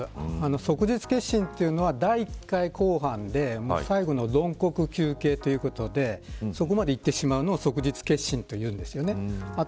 即日結審というのは第１回公判で最後の論告求刑ということでそこまでいってしまうのを即日結審と言うんです。